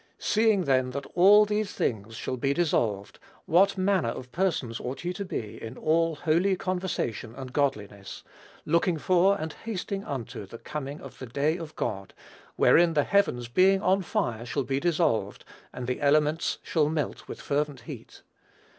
"Seeing then that all these things shall be dissolved, what manner of persons ought ye to be in all holy conversation and godliness; looking for and hasting unto the coming of the day of God, wherein the heavens being on fire shall be dissolved, and the elements shall melt with fervent heat?